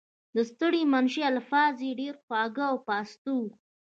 د ستړي مشي الفاظ یې ډېر خواږه او پاسته وو.